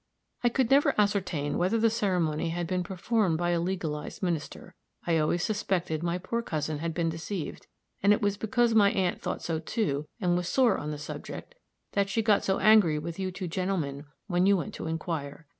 "I could never ascertain whether the ceremony had been performed by a legalized minister; I always suspected my poor cousin had been deceived, and it was because my aunt thought so, too, and was sore on the subject, that she got so angry with you two gentlemen when you went to inquire.